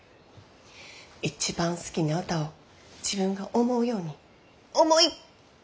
一番好きな歌を自分が思うように思いっきり歌ってみ。